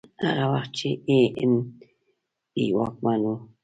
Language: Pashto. هغه وخت چې اي این پي واکمن و.